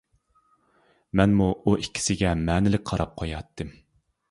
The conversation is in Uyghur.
مەنمۇ ئۇ ئىككىسىگە مەنىلىك قاراپ قوياتتىم.